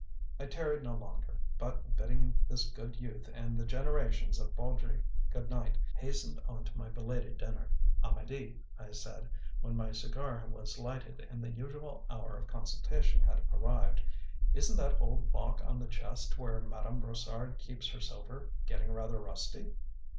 I tarried no longer, but bidding this good youth and the generations of Baudry good night, hastened on to my belated dinner. "Amedee," I said, when my cigar was lighted and the usual hour of consultation had arrived; "isn't that old lock on the chest where Madame Brossard keeps her silver getting rather rusty?"